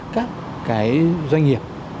các cái doanh nghiệp